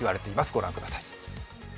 ご覧ください。